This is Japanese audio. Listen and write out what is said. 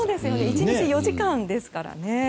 １日４時間ですからね。